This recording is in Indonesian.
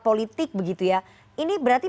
politik begitu ya ini berarti